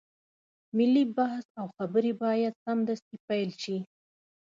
ملي بحث او خبرې بايد سمدستي پيل شي.